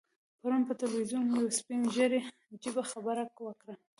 پرون پر ټلویزیون یو سپین ږیري عجیبه خبره وکړه.